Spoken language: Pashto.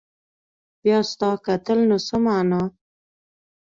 بيا ستا کتل نو څه معنا